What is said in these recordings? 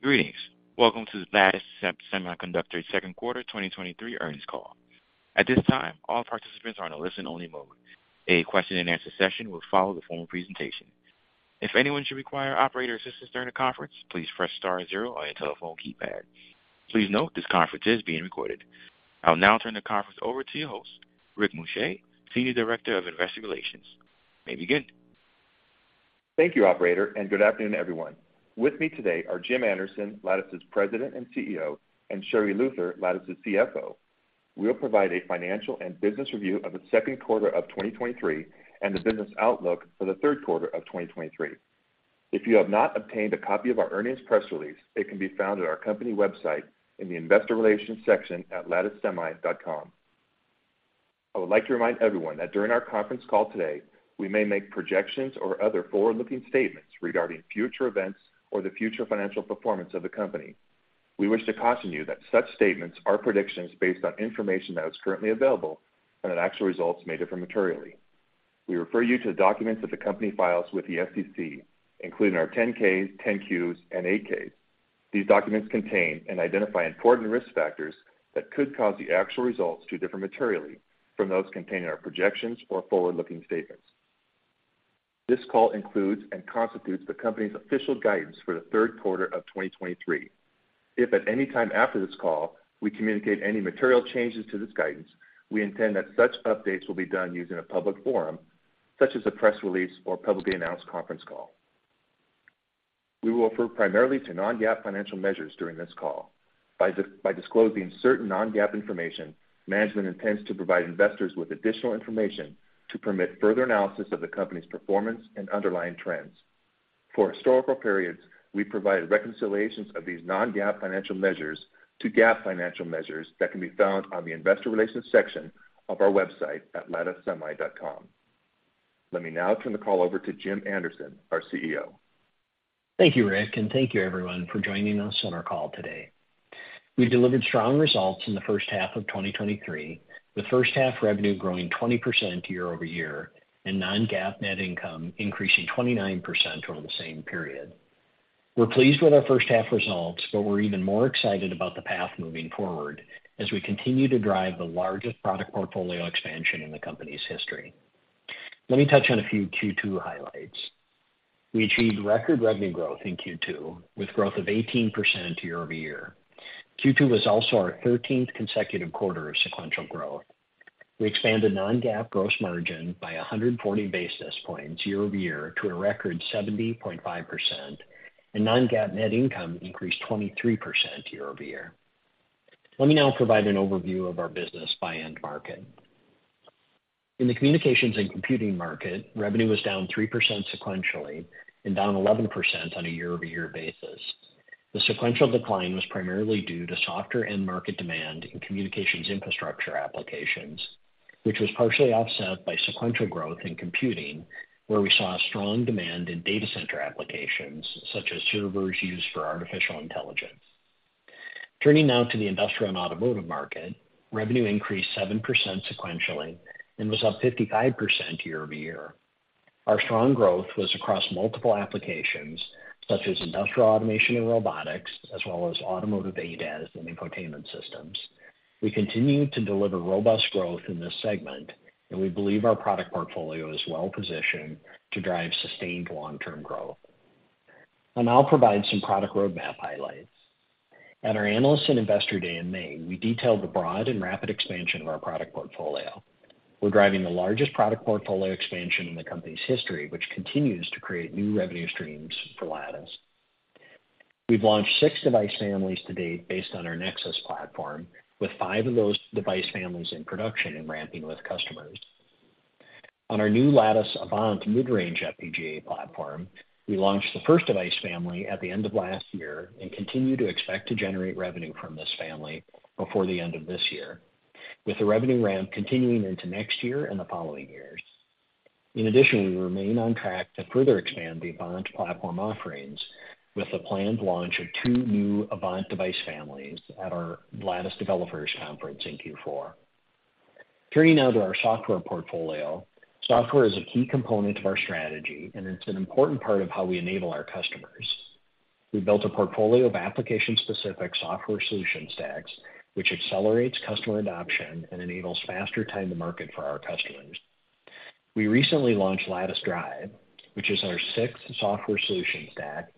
Greetings! Welcome to the Lattice Semiconductor Q2 2023 earnings call. At this time, all participants are on a listen-only mode. A question and answer session will follow the formal presentation. If anyone should require operator assistance during the conference, please press star zero on your telephone keypad. Please note, this conference is being recorded. I'll now turn the conference over to your host, Rick Muscha, Senior Director of Investor Relations. You may begin. Thank you, operator. Good afternoon, everyone. With me today are Jim Anderson, Lattice's President and CEO, and Sherri Luther, Lattice's CFO. We'll provide a financial and business review of the Q2 of 2023, and the business outlook for the Q3 of 2023. If you have not obtained a copy of our earnings press release, it can be found at our company website in the Investor Relations section at latticesemi.com. I would like to remind everyone that during our conference call today, we may make projections or other forward-looking statements regarding future events or the future financial performance of the company. We wish to caution you that such statements are predictions based on information that is currently available, and that actual results may differ materially. We refer you to the documents that the company files with the SEC, including our 10-Ks, 10-Qs, and 8-Ks. These documents contain and identify important risk factors that could cause the actual results to differ materially from those contained in our projections or forward-looking statements. This call includes and constitutes the company's official guidance for the Q3 of 2023. If at any time after this call, we communicate any material changes to this guidance, we intend that such updates will be done using a public forum, such as a press release or publicly announced conference call. We will refer primarily to non-GAAP financial measures during this call. By disclosing certain non-GAAP information, management intends to provide investors with additional information to permit further analysis of the company's performance and underlying trends. For historical periods, we provide reconciliations of these non-GAAP financial measures to GAAP financial measures that can be found on the Investor Relations section of our website at latticesemi.com. Let me now turn the call over to Jim Anderson, our CEO. Thank you, Rick. Thank you everyone for joining us on our call today. We delivered strong results in the H1 of 2023, with H1 revenue growing 20% year-over-year, and non-GAAP net income increasing 29% over the same period. We're pleased with our H1 results. We're even more excited about the path moving forward as we continue to drive the largest product portfolio expansion in the company's history. Let me touch on a few Q2 highlights. We achieved record revenue growth in Q2, with growth of 18% year-over-year. Q2 was also our 13th consecutive quarter of sequential growth. We expanded non-GAAP gross margin by 140 basis points year-over-year to a record 70.5%, and non-GAAP net income increased 23% year-over-year. Let me now provide an overview of our business by end market. In the communications and computing market, revenue was down 3% sequentially and down 11% on a year-over-year basis. The sequential decline was primarily due to softer end market demand in communications infrastructure applications, which was partially offset by sequential growth in computing, where we saw a strong demand in data center applications such as servers used for artificial intelligence. Turning now to the industrial and automotive market, revenue increased 7% sequentially and was up 55% year-over-year. Our strong growth was across multiple applications, such as industrial automation and robotics, as well as automotive ADAS and infotainment systems. We continue to deliver robust growth in this segment, and we believe our product portfolio is well positioned to drive sustained long-term growth. I'll now provide some product roadmap highlights. At our Analyst and Investor Day in May, we detailed the broad and rapid expansion of our product portfolio. We're driving the largest product portfolio expansion in the company's history, which continues to create new revenue streams for Lattice. We've launched six device families to date based on our Nexus platform, with five of those device families in production and ramping with customers. On our new Lattice Avant mid-range FPGA platform, we launched the first device family at the end of last year and continue to expect to generate revenue from this family before the end of this year, with the revenue ramp continuing into next year and the following years. In addition, we remain on track to further expand the Avant platform offerings with the planned launch of two new Avant device families at our Lattice Developers Conference in Q4. Turning now to our software portfolio. Software is a key component of our strategy, and it's an important part of how we enable our customers. We built a portfolio of application-specific software solution stacks, which accelerates customer adoption and enables faster time to market for our customers. We recently launched Lattice Drive, which is our sixth software solution stack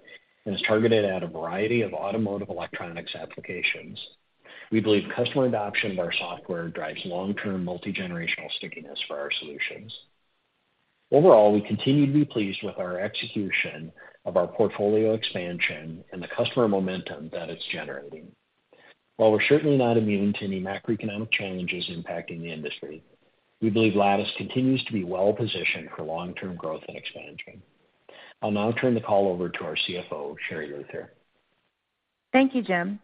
and is targeted at a variety of automotive electronics applications. We believe customer adoption of our software drives long-term multigenerational stickiness for our solutions. Overall, we continue to be pleased with our execution of our portfolio expansion and the customer momentum that it's generating. While we're certainly not immune to any macroeconomic challenges impacting the industry, we believe Lattice continues to be well positioned for long-term growth and expansion. I'll now turn the call over to our CFO, Sherri Luther. Thank you, Jim.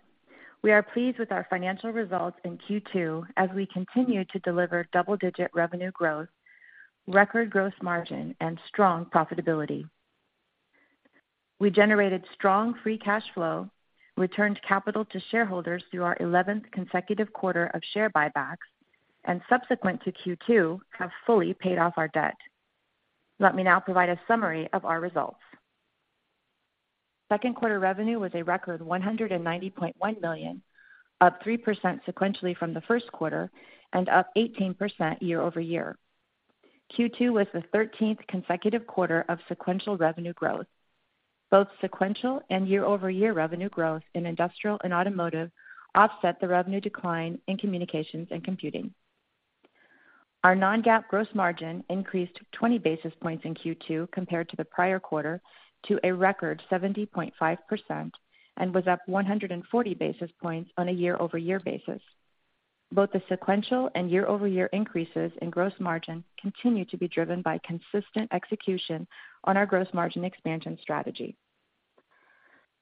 We are pleased with our financial results in Q2 as we continue to deliver double-digit revenue growth, record gross margin, and strong profitability. We generated strong free cash flow, returned capital to shareholders through our 11th consecutive quarter of share buybacks, and subsequent to Q2, have fully paid off our debt. Let me now provide a summary of our results. Q2 revenue was a record $190.1 million, up 3% sequentially from the Q1 and up 18% year-over-year. Q2 was the 13th consecutive quarter of sequential revenue growth. Both sequential and year-over-year revenue growth in industrial and automotive offset the revenue decline in communications and computing. Our non-GAAP gross margin increased 20 basis points in Q2 compared to the prior quarter to a record 70.5% and was up 140 basis points on a year-over-year basis. Both the sequential and year-over-year increases in gross margin continue to be driven by consistent execution on our gross margin expansion strategy.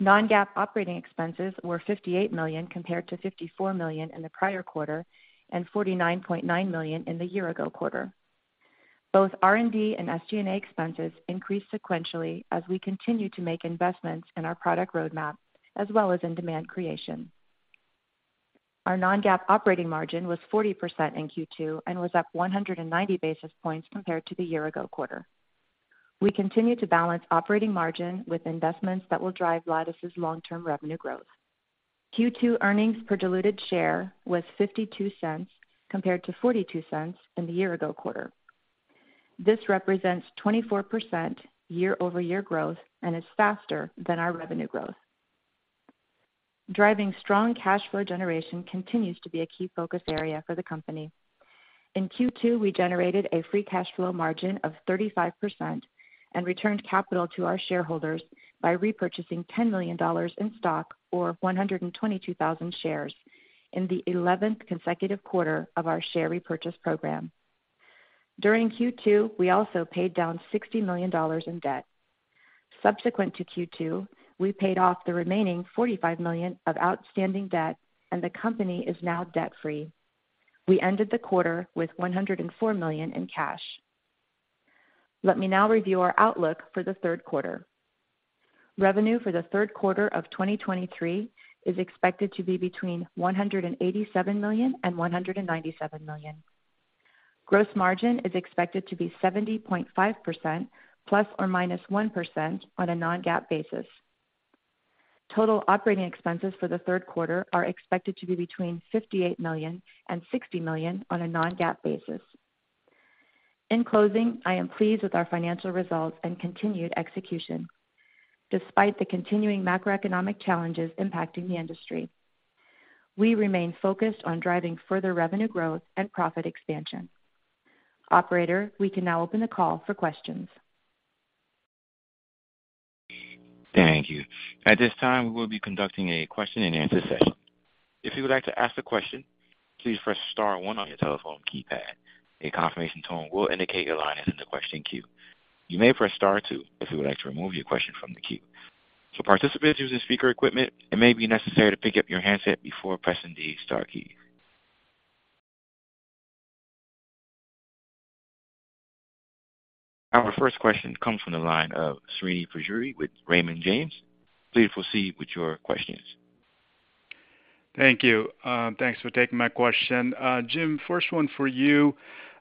Non-GAAP operating expenses were $58 million, compared to $54 million in the prior quarter and $49.9 million in the year ago quarter. Both R&D and SG&A expenses increased sequentially as we continue to make investments in our product roadmap as well as in demand creation. Our non-GAAP operating margin was 40% in Q2 and was up 190 basis points compared to the year ago quarter. We continue to balance operating margin with investments that will drive Lattice's long-term revenue growth. Q2 earnings per diluted share was $0.52, compared to $0.42 in the year-ago quarter. This represents 24% year-over-year growth and is faster than our revenue growth. Driving strong cash flow generation continues to be a key focus area for the company. In Q2, we generated a free cash flow margin of 35% and returned capital to our shareholders by repurchasing $10 million in stock, or 122,000 shares, in the 11th consecutive quarter of our share repurchase program. During Q2, we also paid down $60 million in debt. Subsequent to Q2, we paid off the remaining $45 million of outstanding debt, and the company is now debt-free. We ended the quarter with $104 million in cash. Let me now review our outlook for the Q3. Revenue for the Q3 of 2023 is expected to be between $187 million and $197 million. Gross margin is expected to be 70.5%, ±1% on a non-GAAP basis. Total operating expenses for the Q3 are expected to be between $58 million and $60 million on a non-GAAP basis. In closing, I am pleased with our financial results and continued execution, despite the continuing macroeconomic challenges impacting the industry. We remain focused on driving further revenue growth and profit expansion. Operator, we can now open the call for questions. Thank you. At this time, we will be conducting a question-and-answer session. If you would like to ask a question, please press star one on your telephone keypad. A confirmation tone will indicate your line is in the question queue. You may press star two if you would like to remove your question from the queue. Participants using speaker equipment, it may be necessary to pick up your handset before pressing the star key. Our first question comes from the line of Srinivas Pajjuri with Raymond James. Please proceed with your questions. Thank you. Thanks for taking my question. Jim, first one for you.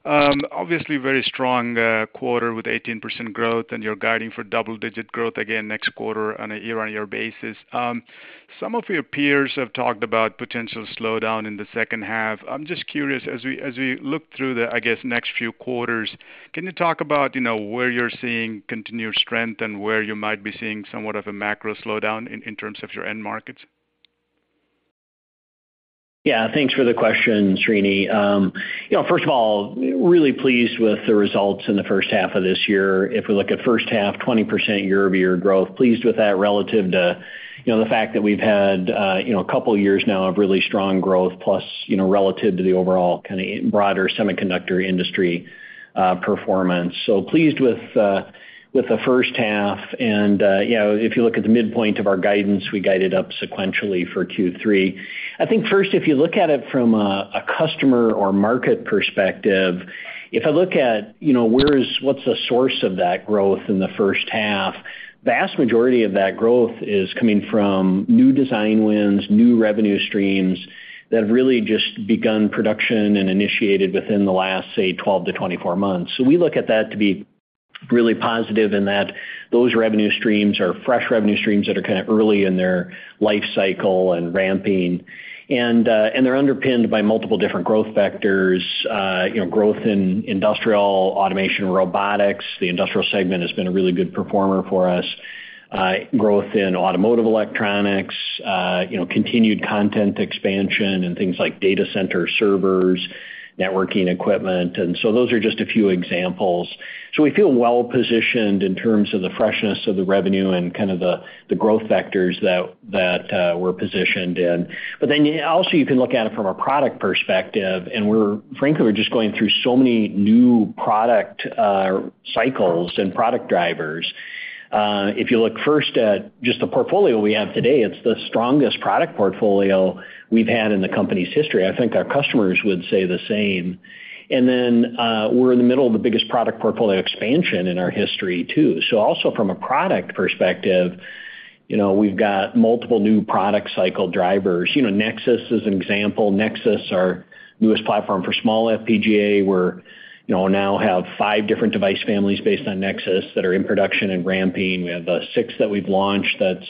Obviously, very strong quarter with 18% growth, and you're guiding for double-digit growth again next quarter on a year-on-year basis. Some of your peers have talked about potential slowdown in the H2. I'm just curious, as we, as we look through the, I guess, next few quarters, can you talk about, you know, where you're seeing continued strength and where you might be seeing somewhat of a macro slowdown in, in terms of your end markets? Yeah, thanks for the question, Srini. You know, first of all, really pleased with the results in the H1 of this year. If we look at H1, 20% year-over-year growth, pleased with that relative to, you know, the fact that we've had, you know, couple of years now of really strong growth, plus, you know, relative to the overall kind of broader semiconductor industry performance. Pleased with the H1, and, you know, if you look at the midpoint of our guidance, we guided up sequentially for Q3. I think first, if you look at it from a, a customer or market perspective, if I look at, you know, what's the source of that growth in the H1, the vast majority of that growth is coming from new design wins, new revenue streams that have really just begun production and initiated within the last, say, 12-24 months. We look at that to be really positive in that those revenue streams are fresh revenue streams that are kind of early in their life cycle and ramping. They're underpinned by multiple different growth vectors, you know, growth in industrial automation, robotics. The industrial segment has been a really good performer for us. Growth in automotive electronics, you know, continued content expansion and things like data center servers, networking equipment, those are just a few examples. We feel well-positioned in terms of the freshness of the revenue and kind of the, the growth vectors that, that, we're positioned in. Also, you can look at it from a product perspective, and we're, frankly, we're just going through so many new product cycles and product drivers. If you look first at just the portfolio we have today, it's the strongest product portfolio we've had in the company's history. I think our customers would say the same. We're in the middle of the biggest product portfolio expansion in our history, too. Also from a product perspective-... you know, we've got multiple new product cycle drivers. You know, Nexus is an example. Nexus, our newest platform for small FPGA, we're, you know, now have 5 different device families based on Nexus that are in production and ramping. We have a 6th that we've launched that's,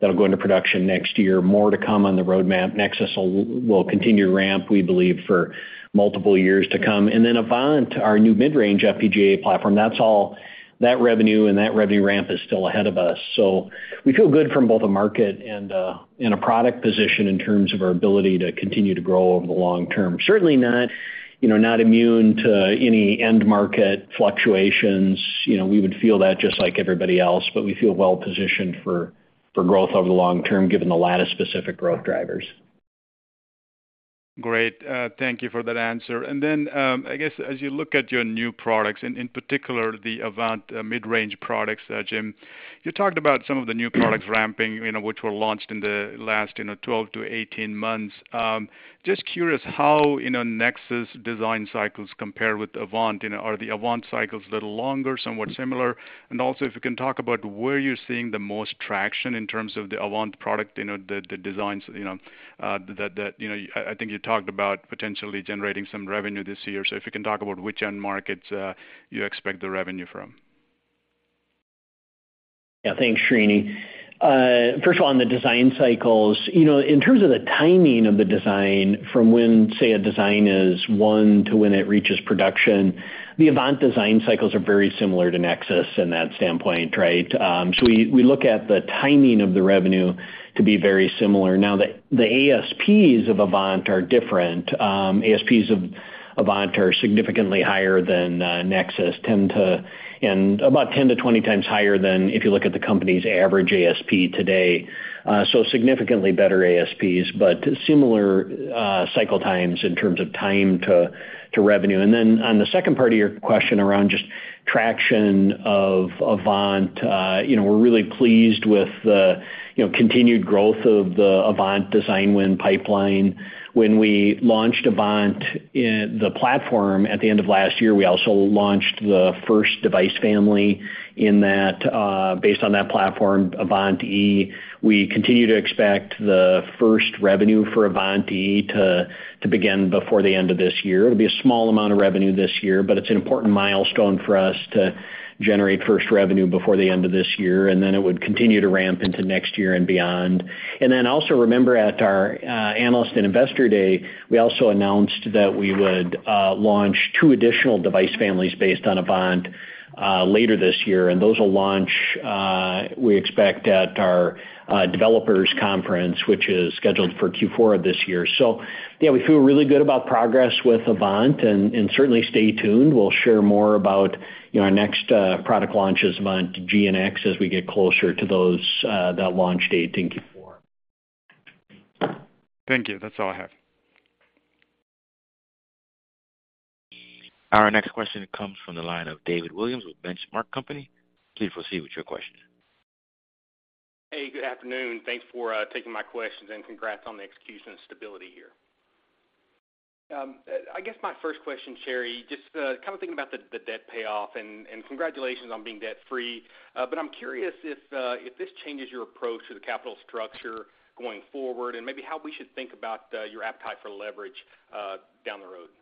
that'll go into production next year. More to come on the roadmap. Nexus will, will continue to ramp, we believe, for multiple years to come. Avant, our new mid-range FPGA platform, that revenue and that revenue ramp is still ahead of us. We feel good from both a market and, and a product position in terms of our ability to continue to grow over the long term. Certainly not, you know, not immune to any end market fluctuations. You know, we would feel that just like everybody else, but we feel well-positioned for, for growth over the long term, given the Lattice-specific growth drivers. Great. Thank you for that answer. I guess, as you look at your new products, and in particular, the Avant mid-range products, Jim, you talked about some of the new products ramping, you know, which were launched in the last, you know, 12 to 18 months. Just curious how, you know, Nexus design cycles compare with Avant. You know, are the Avant cycles a little longer, somewhat similar? Also, if you can talk about where you're seeing the most traction in terms of the Avant product, you know, the, the designs, you know, the, the, you know, I, I think you talked about potentially generating some revenue this year. If you can talk about which end markets, you expect the revenue from? Yeah. Thanks, Srini. First of all, on the design cycles, you know, in terms of the timing of the design from when, say, a design is won to when it reaches production, the Avant design cycles are very similar to Nexus in that standpoint, right? We, we look at the timing of the revenue to be very similar. The ASPs of Avant are different. ASPs of Avant are significantly higher than Nexus, about 10-20 times higher than if you look at the company's average ASP today. Significantly better ASPs, but similar cycle times in terms of time to, to revenue. Then on the second part of your question around just traction of Avant, you know, we're really pleased with the, you know, continued growth of the Avant design win pipeline. When we launched Avant in the platform at the end of last year, we also launched the first device family in that based on that platform, Avant-E. We continue to expect the first revenue for Avant-E to begin before the end of this year. It'll be a small amount of revenue this year, but it's an important milestone for us to generate first revenue before the end of this year, and then it would continue to ramp into next year and beyond. Also remember, at our Analyst and Investor Day, we also announced that we would launch two additional device families based on Avant later this year, and those will launch, we expect, at our Developers Conference, which is scheduled for Q4 of this year. Yeah, we feel really good about progress with Avant, and certainly stay tuned. We'll share more about, you know, our next product launches, Avant G and X, as we get closer to those that launch date in Q4. Thank you. That's all I have. Our next question comes from the line of David Williams with The Benchmark Company. Please proceed with your question. Hey, good afternoon. Thanks for taking my questions, congrats on the execution and stability here. I guess my first question, Sherri, just, kind of thinking about the, the debt payoff, and, and congratulations on being debt-free. I'm curious if, if this changes your approach to the capital structure going forward, and maybe how we should think about, your appetite for leverage, down the road.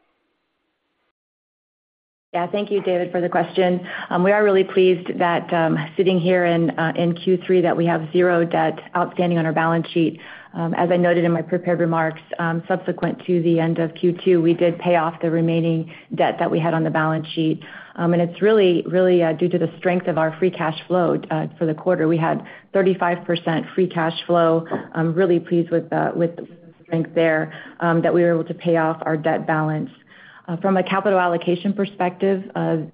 Yeah. Thank you, David, for the question. We are really pleased that, sitting here in Q3, that we have 0 debt outstanding on our balance sheet. As I noted in my prepared remarks, subsequent to the end of Q2, we did pay off the remaining debt that we had on the balance sheet. It's really, really due to the strength of our free cash flow for the quarter. We had 35% free cash flow. I'm really pleased with the, with the strength there, that we were able to pay off our debt balance. From a capital allocation perspective,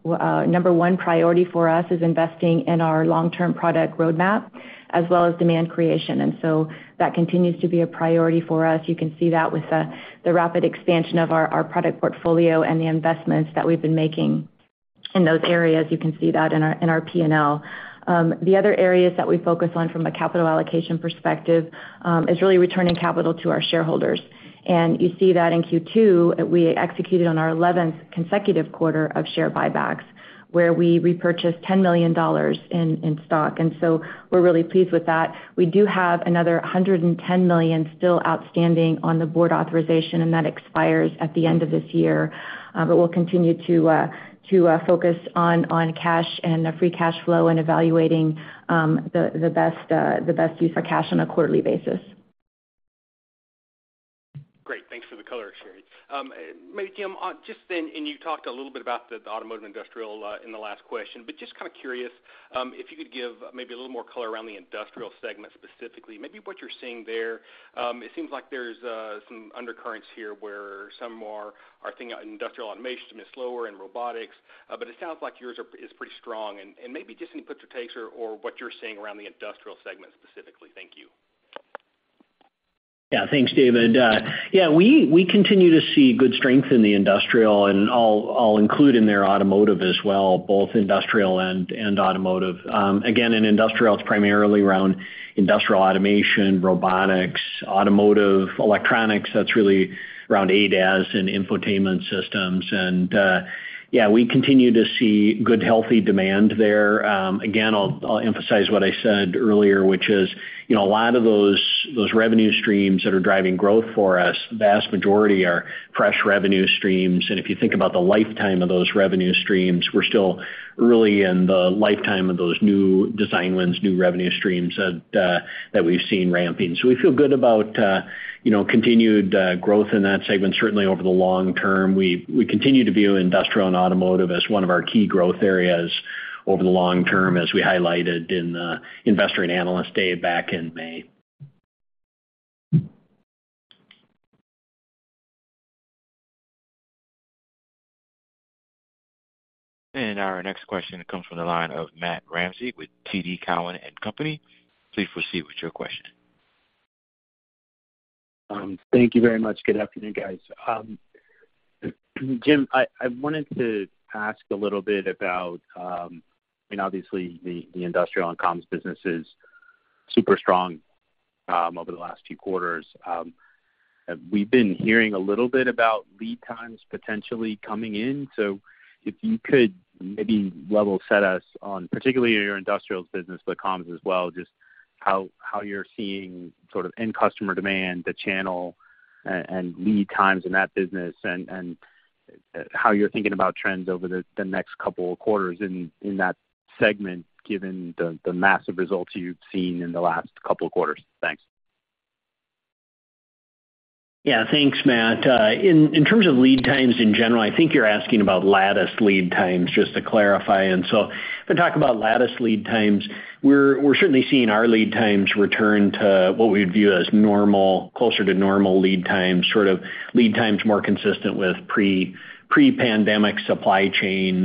1 priority for us is investing in our long-term product roadmap, as well as demand creation. That continues to be a priority for us. You can see that with the rapid expansion of our product portfolio and the investments that we've been making in those areas. You can see that in our P&L. The other areas that we focus on from a capital allocation perspective is really returning capital to our shareholders. You see that in Q2, we executed on our eleventh consecutive quarter of share buybacks, where we repurchased $10 million in stock. We're really pleased with that. We do have another $110 million still outstanding on the board authorization, and that expires at the end of this year. We'll continue to focus on cash and the free cash flow and evaluating the best use for cash on a quarterly basis. Great. Thanks for the color, Sherri. Maybe, Jim, just then, you talked a little bit about the automotive industrial in the last question, just kind of curious, if you could give maybe a little more color around the industrial segment, specifically. Maybe what you're seeing there. It seems like there's some undercurrents here, where some more are thinking industrial automation is slower in robotics, it sounds like yours are, is pretty strong. Maybe just any puts or takes or what you're seeing around the industrial segment specifically. Thank you. Yeah. Thanks, David. Yeah, we, we continue to see good strength in the industrial, and I'll, I'll include in there automotive as well, both industrial and, and automotive. Again, in industrial, it's primarily around... industrial automation, robotics, automotive, electronics, that's really around ADAS and infotainment systems. Yeah, we continue to see good, healthy demand there. Again, I'll, I'll emphasize what I said earlier, which is, you know, a lot of those, those revenue streams that are driving growth for us, the vast majority are fresh revenue streams. If you think about the lifetime of those revenue streams, we're still early in the lifetime of those new design wins, new revenue streams that, that we've seen ramping. We feel good about, you know, continued growth in that segment. Certainly, over the long term, we, we continue to view industrial and automotive as one of our key growth areas over the long term, as we highlighted in the Analyst and Investor Day back in May. Our next question comes from the line of Matthew Ramsay with TD Cowen. Please proceed with your question. Thank you very much. Good afternoon, guys. Jim, I, I wanted to ask a little bit about, and obviously, the industrial and comms business is super strong over the last few quarters. We've been hearing a little bit about lead times potentially coming in. If you could maybe level set us on, particularly your industrials business, but comms as well, just how, how you're seeing sort of end customer demand, the channel, and lead times in that business, and how you're thinking about trends over the next couple of quarters in that segment, given the massive results you've seen in the last couple of quarters. Thanks. Yeah, thanks, Matt. In, in terms of lead times, in general, I think you're asking about Lattice lead times, just to clarify. When we talk about Lattice lead times, we're, we're certainly seeing our lead times return to what we'd view as normal, closer to normal lead times, sort of lead times more consistent with pre, pre-pandemic supply chain,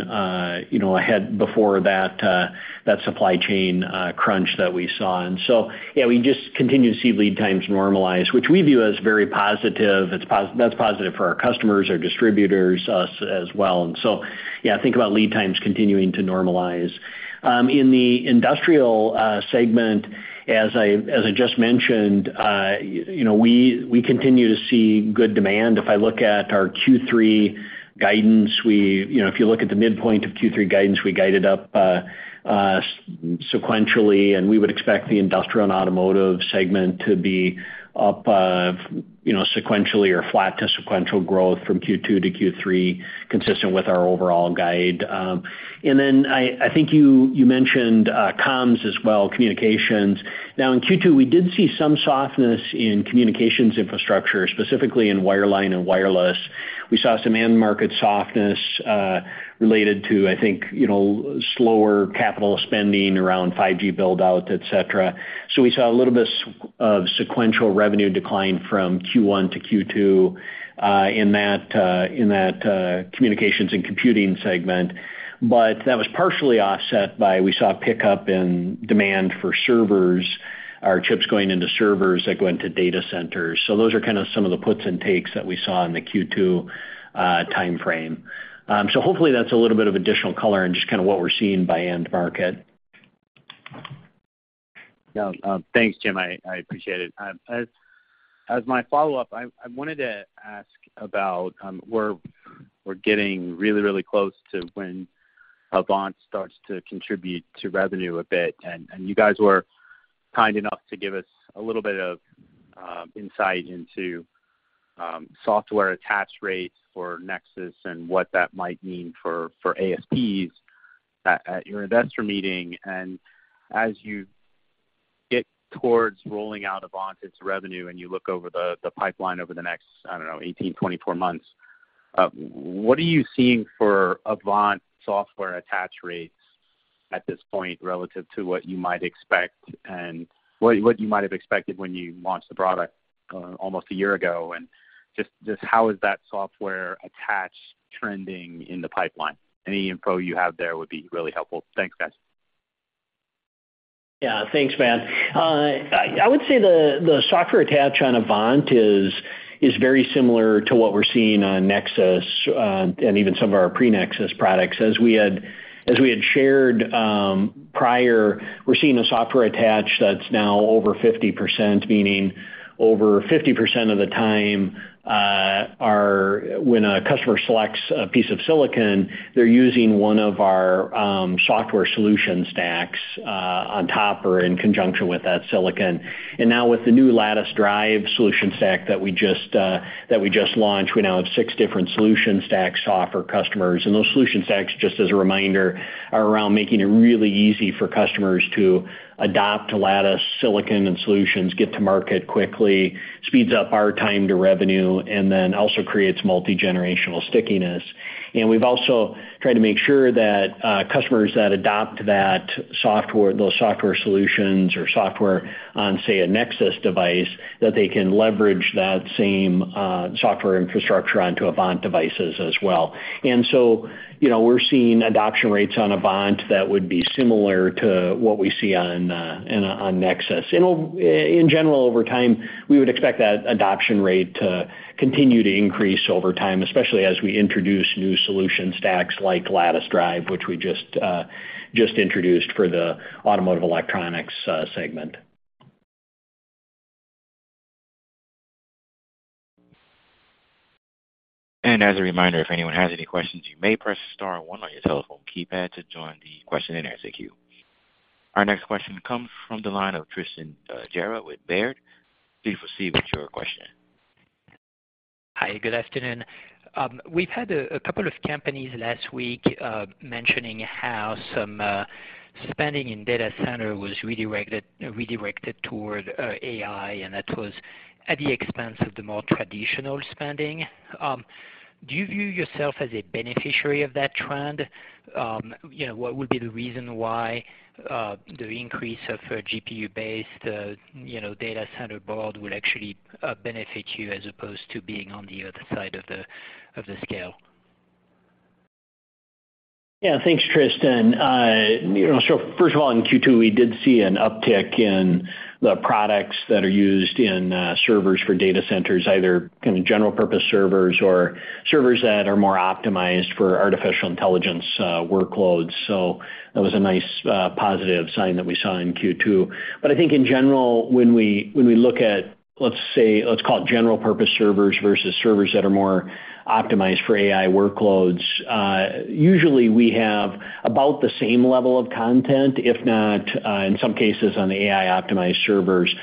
you know, ahead before that, that supply chain crunch that we saw. Yeah, we just continue to see lead times normalize, which we view as very positive. It's that's positive for our customers, our distributors, us as well. Yeah, think about lead times continuing to normalize. In the industrial segment, as I, as I just mentioned, you know, we, we continue to see good demand. If I look at our Q3 guidance, we... You know, if you look at the midpoint of Q3 guidance, we guided up sequentially. We would expect the industrial and automotive segment to be up, you know, sequentially or flat to sequential growth from Q2 to Q3, consistent with our overall guide. I, I think you, you mentioned comms as well, communications. Now, in Q2, we did see some softness in communications infrastructure, specifically in wireline and wireless. We saw some end market softness, related to, I think, you know, slower capital spending around 5G build-out, et cetera. We saw a little bit sequential revenue decline from Q1 to Q2, in that, in that, communications and computing segment. That was partially offset by, we saw a pickup in demand for servers, our chips going into servers that go into data centers. Those are kind of some of the puts and takes that we saw in the Q2 timeframe. Hopefully, that's a little bit of additional color and just kind of what we're seeing by end market. Yeah. Thanks, Jim. I, I appreciate it. As, as my follow-up, I, I wanted to ask about, we're, we're getting really, really close to when Lattice Avant starts to contribute to revenue a bit, and you guys were kind enough to give us a little bit of insight into software attach rates for Lattice Nexus and what that might mean for, for ASPs at, at your investor meeting. As you get towards rolling out Lattice Avant's revenue, and you look over the, the pipeline over the next, I don't know, 18, 24 months, what are you seeing for Lattice Avant software attach rates at this point, relative to what you might expect and what, what you might have expected when you launched the product, almost 1 year ago? Just, just how is that software attach trending in the pipeline? Any info you have there would be really helpful. Thanks, guys. Yeah, thanks, Matt. I would say the, the software attach on Avant is, is very similar to what we're seeing on Nexus, and even some of our pre-Nexus products. As we had, as we had shared, prior, we're seeing a software attach that's now over 50%, meaning over 50% of the time, when a customer selects a piece of silicon, they're using one of our software solution stacks, on top or in conjunction with that silicon. Now with the new Lattice Drive solution stack that we just launched, we now have six different solution stacks to offer customers. Those solution stacks, just as a reminder, are around making it really easy for customers to adopt Lattice silicon and solutions, get to market quickly, speeds up our time to revenue, and then also creates multi-generational stickiness. We've also tried to make sure that customers that adopt that software, those software solutions or software on, say, a Lattice Nexus device, that they can leverage that same software infrastructure onto Lattice Avant devices as well. So, you know, we're seeing adoption rates on Lattice Avant that would be similar to what we see on Lattice Nexus. In general, over time, we would expect that adoption rate to continue to increase over time, especially as we introduce new solution stacks like Lattice Drive, which we just introduced for the automotive electronics segment. As a reminder, if anyone has any questions, you may press star 1 on your telephone keypad to join the question-and-answer queue. Our next question comes from the line of Tristan Gerra with Baird. Please proceed with your question. Hi, good afternoon. We've had a, a couple of companies last week mentioning how some spending in data center was redirected, redirected toward AI, and that was at the expense of the more traditional spending. Do you view yourself as a beneficiary of that trend? You know, what would be the reason why the increase of GPU-based, you know, data center board would actually benefit you as opposed to being on the other side of the, of the scale? Yeah, thanks, Tristan. You know, first of all, in Q2, we did see an uptick in the products that are used in servers for data centers, either kind of general purpose servers or servers that are more optimized for artificial intelligence workloads. That was a nice positive sign that we saw in Q2. I think in general, when we, when we look at, let's say, let's call it general purpose servers versus servers that are more optimized for AI workloads, usually we have about the same level of content, if not, in some cases, on the AI-optimized servers,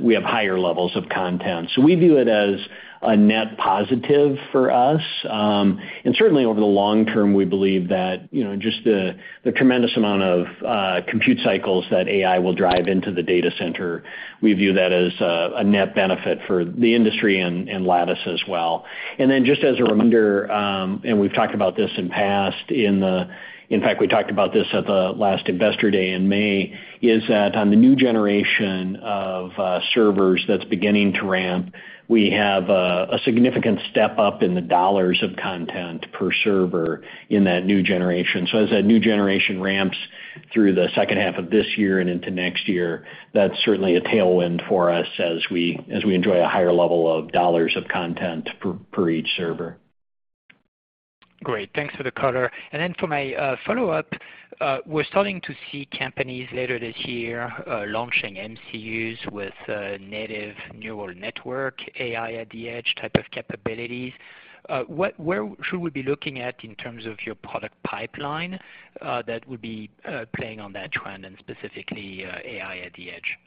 we have higher levels of content. We view it as a net positive for us. Certainly over the long term, we believe that, you know, just the, the tremendous amount of compute cycles that AI will drive into the data center, we view that as a, a net benefit for the industry and Lattice as well. Then just as a reminder, and we've talked about this in past, in fact, we talked about this at the last Investor Day in May, is that on the new generation of servers that's beginning to ramp, we have a significant step up in the dollars of content per server in that new generation. As that new generation ramps through the H2 of this year and into next year, that's certainly a tailwind for us as we, as we enjoy a higher level of dollars of content per, per each server. Great, thanks for the color. Then for my follow-up, we're starting to see companies later this year, launching MCUs with native neural network, AI at the edge type of capabilities. Where should we be looking at in terms of your product pipeline, that would be playing on that trend and specifically, AI at the edge?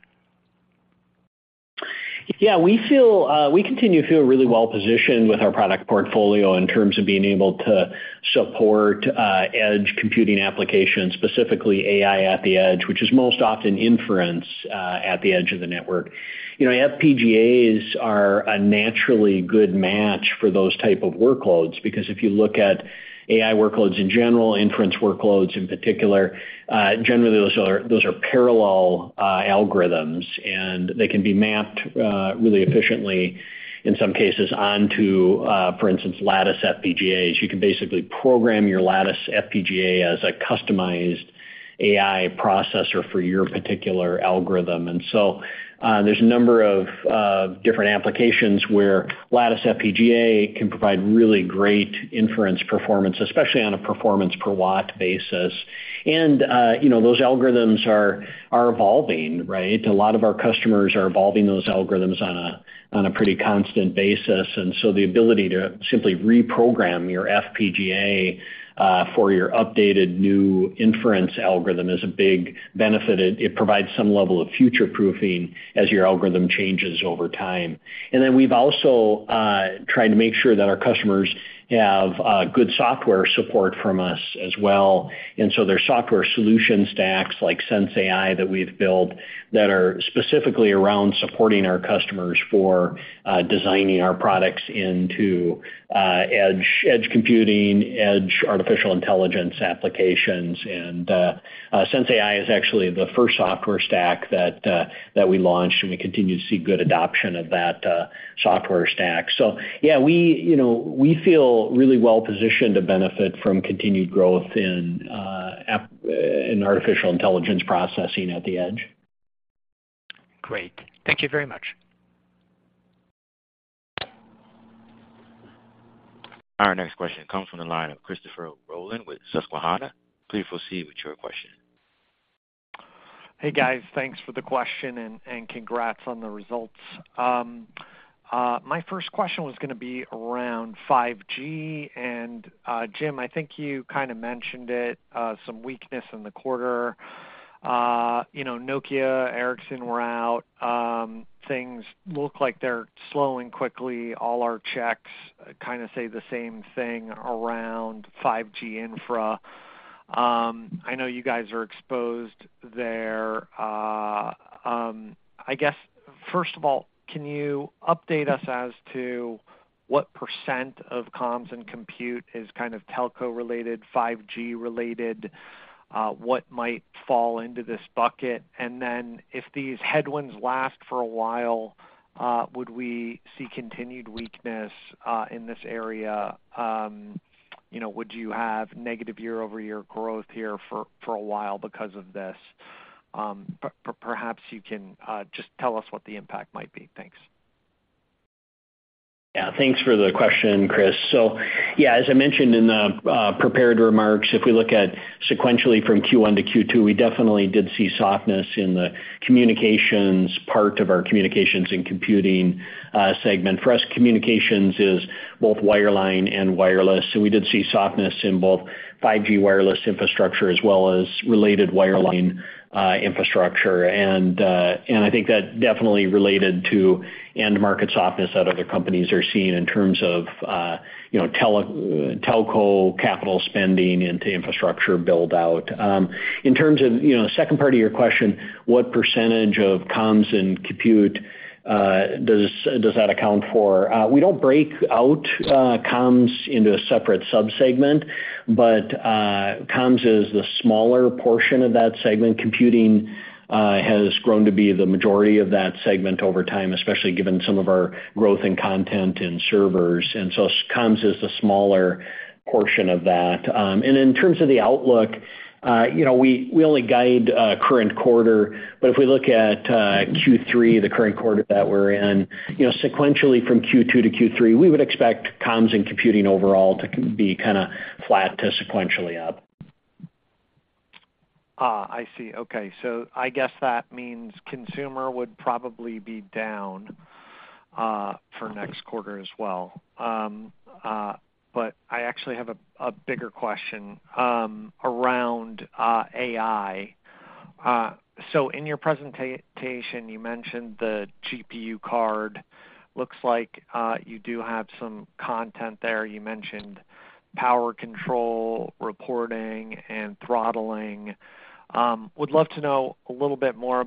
We feel we continue to feel really well positioned with our product portfolio in terms of being able to support edge computing applications, specifically AI at the edge, which is most often inference at the edge of the network. You know, FPGAs are a naturally good match for those type of workloads, because if you look at AI workloads in general, inference workloads in particular, generally, those are parallel algorithms, and they can be mapped really efficiently in some cases onto, for instance, Lattice FPGAs. You can basically program your Lattice FPGA as a customized AI processor for your particular algorithm. So, there's a number of different applications where Lattice FPGA can provide really great inference performance, especially on a performance per watt basis. You know, those algorithms are evolving, right? A lot of our customers are evolving those algorithms on a, on a pretty constant basis, and so the ability to simply reprogram your FPGA for your updated new inference algorithm is a big benefit. It, it provides some level of future-proofing as your algorithm changes over time. And then we've also tried to make sure that our customers have good software support from us as well. And so their software solution stacks, like Lattice sensAI, that we've built, that are specifically around supporting our customers for designing our products into edge, edge computing, edge artificial intelligence applications. Lattice sensAI is actually the first software stack that we launched, and we continue to see good adoption of that software stack. yeah, we, you know, we feel really well positioned to benefit from continued growth in artificial intelligence processing at the edge. Great. Thank you very much. Our next question comes from the line of Christopher Rolland with Susquehanna. Please proceed with your question. Hey, guys. Thanks for the question, and congrats on the results. My first question was gonna be around 5G, and Jim, I think you kind of mentioned it, some weakness in the quarter. You know, Nokia, Ericsson were out. Things look like they're slowing quickly. All our checks kind of say the same thing around 5G infra. I know you guys are exposed there. I guess, first of all, can you update us as to what percent of comms and compute is kind of telco related, 5G related? What might fall into this bucket? Then, if these headwinds last for a while, would we see continued weakness in this area? You know, would you have negative year-over-year growth here for, for a while because of this? Perhaps you can just tell us what the impact might be. Thanks. Yeah, thanks for the question, Chris. Yeah, as I mentioned in the prepared remarks, if we look at sequentially from Q1 to Q2, we definitely did see softness in the communications part of our communications and computing segment. For us, communications is both wireline and wireless, so we did see softness in both 5G wireless infrastructure as well as related wireline infrastructure. I think that definitely related to end market softness that other companies are seeing in terms of, you know, telco capital spending into infrastructure build-out. In terms of, you know, the second part of your question, what percentage of comms and compute does that account for? We don't break out comms into a separate sub-segment, but comms is the smaller portion of that segment. Computing has grown to be the majority of that segment over time, especially given some of our growth in content and servers, and so comms is the smaller portion of that. In terms of the outlook, you know, we, we only guide current quarter, but if we look at Q3, the current quarter that we're in, you know, sequentially from Q2 to Q3, we would expect comms and computing overall to be kind of flat to sequentially up. Ah, I see. Okay. I guess that means consumer would probably be down for next quarter as well. I actually have a bigger question around AI. In your presentation, you mentioned the GPU card. Looks like you do have some content there. You mentioned power control, reporting, and throttling. Would love to know a little bit more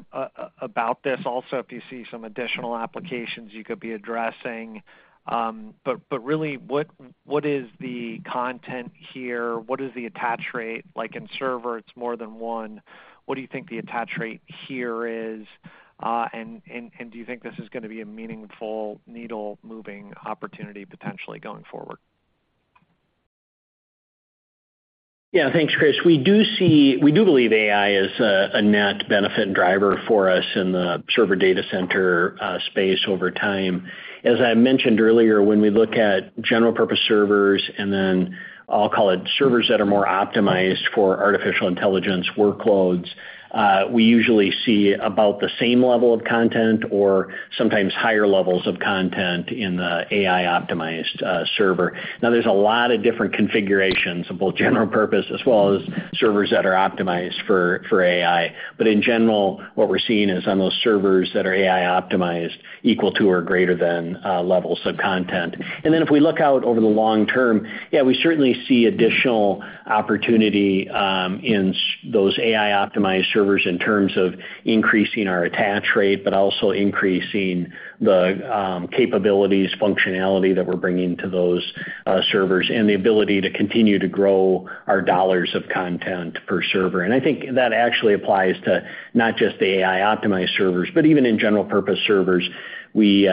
about this. Also, if you see some additional applications you could be addressing. Really, what, what is the content here? What is the attach rate? Like in server, it's more than one. What do you think the attach rate here is, and, and, and do you think this is gonna be a meaningful needle-moving opportunity potentially going forward? Yeah. Thanks, Chris. We do believe AI is a net benefit driver for us in the server data center space over time. As I mentioned earlier, when we look at general purpose servers, and then I'll call it servers that are more optimized for artificial intelligence workloads, we usually see about the same level of content or sometimes higher levels of content in the AI-optimized server. Now, there's a lot of different configurations of both general purpose as well as servers that are optimized for AI. In general, what we're seeing is on those servers that are AI-optimized, equal to or greater than levels of content. Then if we look out over the long term, yeah, we certainly see additional opportunity in those AI-optimized servers in terms of increasing our attach rate, but also increasing the capabilities, functionality that we're bringing to those servers and the ability to continue to grow our dollars of content per server. I think that actually applies to not just the AI-optimized servers, but even in general purpose servers, we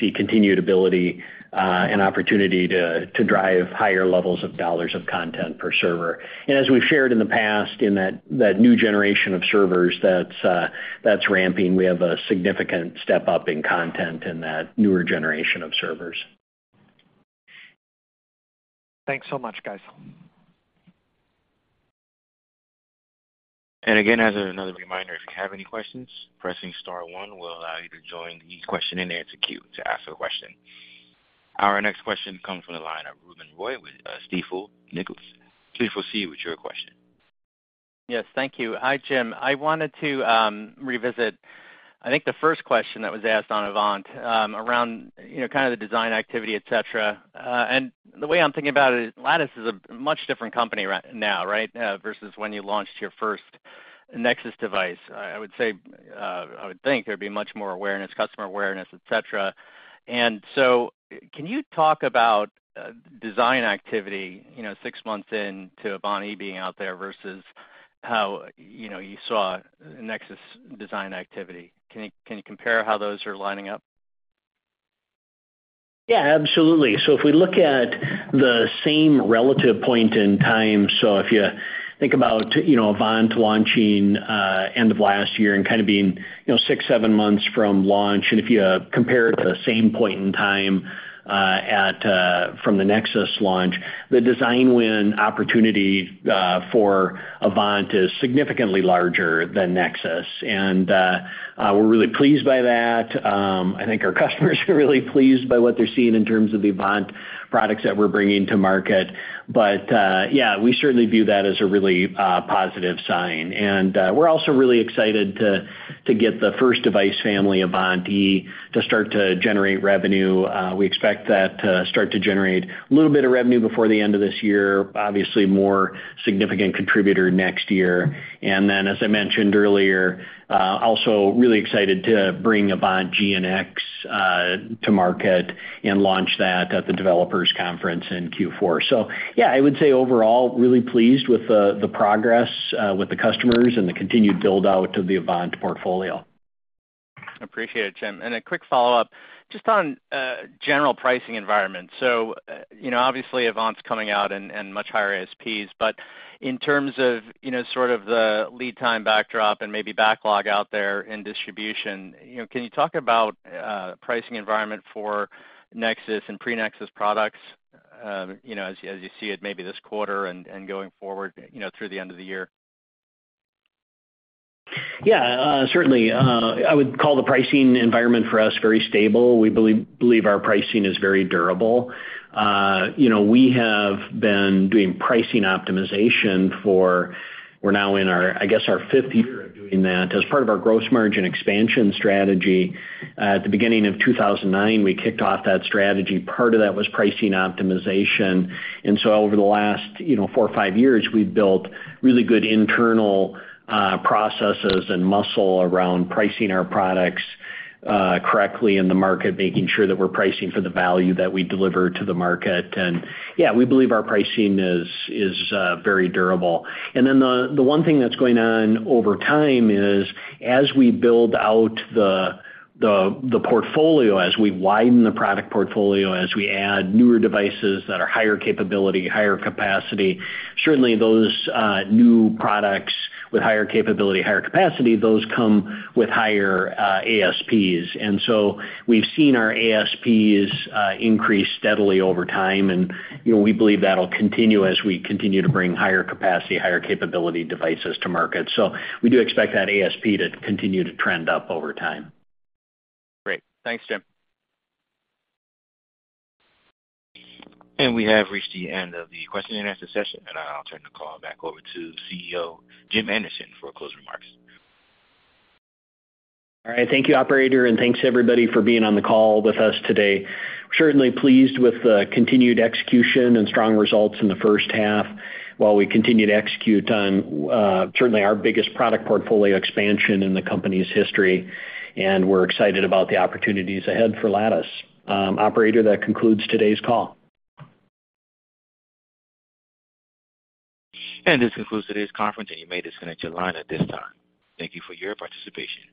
see continued ability and opportunity to drive higher levels of dollars of content per server. As we've shared in the past, in that new generation of servers that's ramping, we have a significant step-up in content in that newer generation of servers. Thanks so much, guys. Again, as another reminder, if you have any questions, pressing star 1 will allow you to join the question-and-answer queue to ask a question. Our next question comes from the line of Ruben Roy with Stifel Nicolaus. Please proceed with your question. Yes, thank you. Hi, Jim. I wanted to revisit, I think the first question that was asked on Avant, around, you know, kind of the design activity, et cetera. The way I'm thinking about it is, Lattice is a much different company right now, right? versus when you launched your first Nexus device. I would say, I would think there'd be much more awareness, customer awareness, et cetera. So can you talk about design activity, you know, six months in to Avant-E being out there, versus how, you know, you saw Nexus design activity? Can you compare how those are lining up? Yeah, absolutely. If we look at the same relative point in time, so if you think about, you know, Lattice Avant launching, end of last year and kind of being, you know, six, seven months from launch, and if you compare it to the same point in time, at, from the Lattice Nexus launch, the design win opportunity, for Lattice Avant is significantly larger than Lattice Nexus. We're really pleased by that. I think our customers are really pleased by what they're seeing in terms of the Lattice Avant products that we're bringing to market. Yeah, we certainly view that as a really, positive sign. We're also really excited to, to get the first device family, Lattice Avant-E, to start to generate revenue. We expect that to start to generate a little bit of revenue before the end of this year. Obviously, a more significant contributor next year. As I mentioned earlier, also really excited to bring Avant G and X to market and launch that at the Lattice Developers Conference in Q4. I would say overall, really pleased with the progress with the customers and the continued build-out of the Lattice Avant portfolio. Appreciate it, Jim. A quick follow-up, just on general pricing environment. You know, obviously, Avant's coming out in much higher ASPs, but in terms of, you know, sort of the lead time backdrop and maybe backlog out there in distribution, you know, can you talk about pricing environment for Nexus and pre-Nexus products?... you know, as you, as you see it, maybe this quarter and, and going forward, you know, through the end of the year? Yeah, certainly, I would call the pricing environment for us very stable. We believe, believe our pricing is very durable. You know, we have been doing pricing optimization for-- we're now in our, I guess, our fifth year of doing that as part of our gross margin expansion strategy. At the beginning of 2009, we kicked off that strategy. Part of that was pricing optimization. Over the last, you know, four or five years, we've built really good internal processes and muscle around pricing our products correctly in the market, making sure that we're pricing for the value that we deliver to the market. Yeah, we believe our pricing is, is very durable. Then the, the one thing that's going on over time is as we build out the, the, the portfolio, as we widen the product portfolio, as we add newer devices that are higher capability, higher capacity, certainly those new products with higher capability, higher capacity, those come with higher ASPs. So we've seen our ASPs increase steadily over time, and, you know, we believe that'll continue as we continue to bring higher capacity, higher capability devices to market. We do expect that ASP to continue to trend up over time. Great. Thanks, Jim. We have reached the end of the question-and-answer session, and I'll turn the call back over to CEO, Jim Anderson, for closing remarks. All right. Thank you, operator, and thanks, everybody, for being on the call with us today. Certainly pleased with the continued execution and strong results in the H1, while we continue to execute on, certainly our biggest product portfolio expansion in the company's history. We're excited about the opportunities ahead for Lattice. Operator, that concludes today's call. This concludes today's conference, and you may disconnect your line at this time. Thank you for your participation.